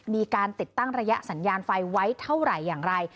มีการติดตั้งระยะสัญญาณไฟไว้เท่าไหร่อย่างไร